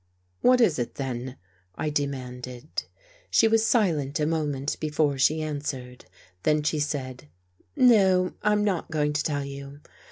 " What is it, then? " I demanded. She was silent a moment before she answered, then she said: "No, I'm not going to tell you.